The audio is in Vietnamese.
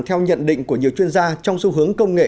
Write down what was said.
theo nhận định của nhiều chuyên gia trong xu hướng công nghệ